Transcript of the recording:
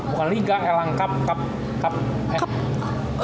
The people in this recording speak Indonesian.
bukan liga ln cup